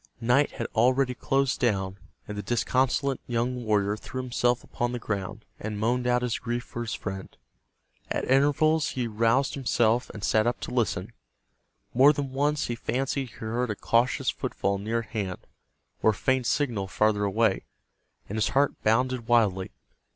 Night had already closed down, and the disconsolate young warrior threw himself upon the ground, and moaned out his grief for his friend. At intervals he roused himself, and sat up to listen. More than once he fancied he heard a cautious footfall near at hand, or a faint signal farther away, and his heart bounded wildly.